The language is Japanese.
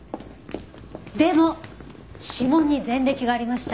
でも指紋に前歴がありました。